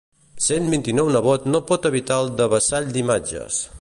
Cent vint-i-nou nebot no pot evitar el devessall d'imatges.